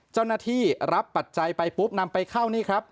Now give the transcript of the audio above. เจ้าหน้าที่รับปัจจัยไปปุ๊บนำไปเข้านี่ครับ